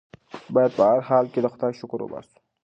بايد په هر حال کې د خدای شکر وباسو.